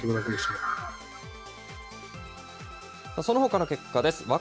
そのほかの結果です。